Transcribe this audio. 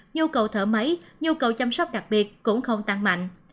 nhu cầu thở máy nhu cầu chăm sóc đặc biệt cũng không tăng mạnh